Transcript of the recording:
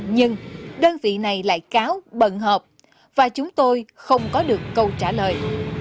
nhưng đơn vị này lại cáo bận hợp và chúng tôi không có được câu trả lời